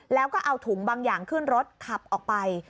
แล้วก็เอาถุงบางอย่างขึ้นรถขับออกไป